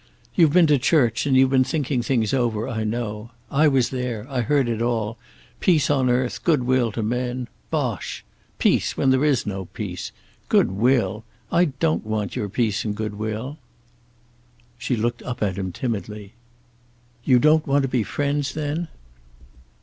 "You've been to church, and you've been thinking things over, I know. I was there. I heard it all, peace on earth, goodwill to men. Bosh. Peace, when there is no peace. Good will! I don't want your peace and good will." She looked up at him timidly. "You don't want to be friends, then?"